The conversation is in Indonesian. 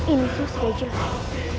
ini sudah jelas